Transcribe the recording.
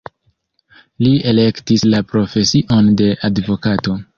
Li elektis la profesion de advokato.